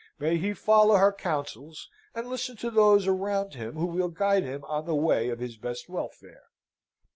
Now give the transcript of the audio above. May he follow her counsels, and listen to those around him who will guide him on the way of his best welfare!